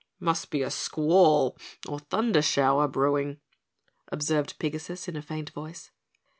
"Must be a squall or thunder shower brewing," observed Pigasus in a faint voice.